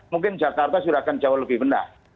mungkin jakarta sudah akan jauh lebih benar